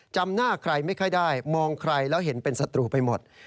จำหน้าใครไม่ค่อยได้มองใครแล้วเห็นเป็นศัตรูไปหมด